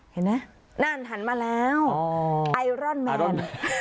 เห็นไหมนั่นหันมาแล้วไอรอนแมน